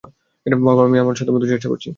বাবা, আমি আমার সাধ্যমত চেষ্টা করছি।